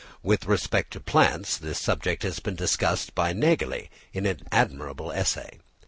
With respect to plants, this subject has been discussed by Nägeli in an admirable essay.